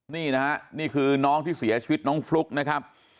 นี่นะฮะนี่คือน้องที่เสียชีวิตน้องฟลุ๊กนะครับ